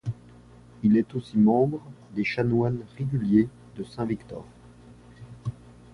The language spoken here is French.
Il est aussi membre des chanoines réguliers de Saint-Victor.